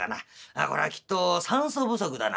これはきっと酸素不足だな」。